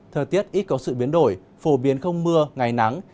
thời tiết ít có sự biến đổi phổ biến không mưa ngày nắng